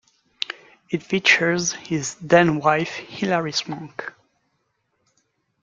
It features his then wife Hilary Swank.